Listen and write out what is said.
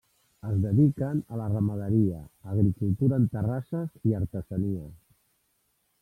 Es dediquen a la ramaderia, agricultura en terrasses i artesania.